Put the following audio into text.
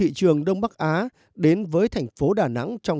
ví dụ như giúp giúp giúp thích văn hóa